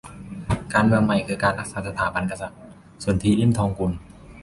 การเมืองใหม่คือการรักษาสถาบันกษัตริย์ - สนธิ ลิ้มทองกุล